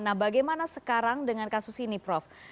nah bagaimana sekarang dengan kasus ini prof